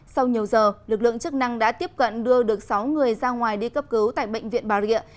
sau nhiều giờ lực lượng chức năng đã tiếp cận đưa được sáu người ra ngoài đi cấp cứu tại bệnh viện bà rịa